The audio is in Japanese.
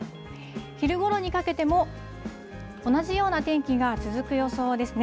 昼ごろにかけても、同じような天気が続く予想ですね。